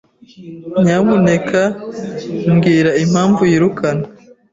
Nyamuneka mbwira impamvu yirukanwe.